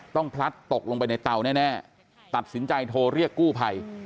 พลัดตกลงไปในเตาแน่ตัดสินใจโทรเรียกกู้ภัย